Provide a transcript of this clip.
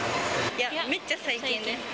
いや、めっちゃ最近です。